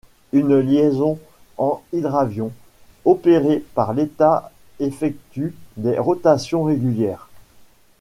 Une liaison en Hydravion opérée par l'état effectue des rotations régulières.